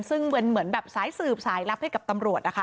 ซึ่งเป็นเหมือนแบบสายสืบสายลับให้กับตำรวจนะคะ